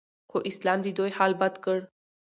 خو اسلام ددوی حال بدل کړ